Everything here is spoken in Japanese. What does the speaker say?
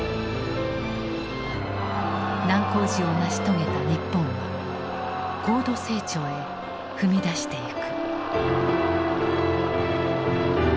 難工事を成し遂げた日本は高度成長へ踏み出していく。